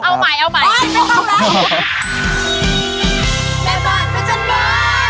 เอาใหม่เอาใหม่โอ๊ยไม่ต้องแล้ว